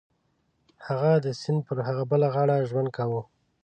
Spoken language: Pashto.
هغه د سیند پر هغه بله غاړه ژوند کاوه.